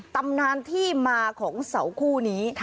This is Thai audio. ตำนานที่มาของเสาคู่นี้